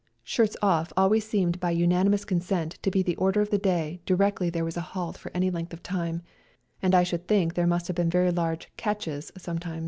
" Shirts off " always seemed by unanimous consent to be the order of the day directly there was a halt for any length of time, and I should think there must have been very large catches " sometimes.